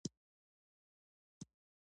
د امربالمعروف وزارت دنده څه ده؟